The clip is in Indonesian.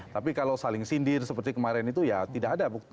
tapi kalau saling sindir seperti kemarin itu ya tidak ada bukti